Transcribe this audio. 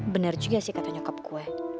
bener juga sih kata nyokap gue